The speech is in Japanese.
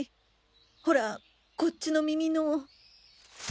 ホラこっちの耳の。